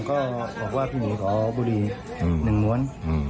ก็บอกว่าพี่มีขอบุรีหนึ่งม้วน